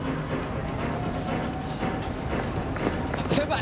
先輩！